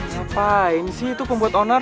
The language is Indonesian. siapaan sih itu pembuat owner